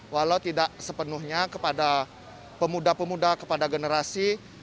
walau tidak sepenuhnya kepada pemuda pemuda kepada generasi